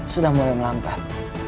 sudah mulai melambat